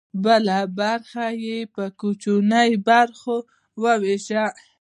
بله برخه به یې په کوچنیو برخو ویشله.